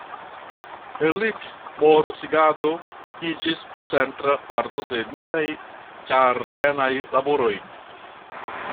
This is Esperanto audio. Helikmortigado iĝis centra parto de niaj ĝardenaj laboroj.